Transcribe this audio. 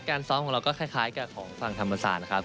การซ้อมของเราก็คล้ายกับของฝั่งธรรมศาสตร์นะครับ